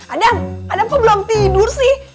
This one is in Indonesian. adam adam kok belum tidur sih